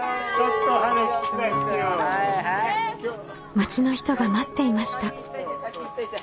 町の人が待っていました。